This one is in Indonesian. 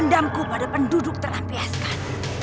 pendamku pada penduduk terampiaskan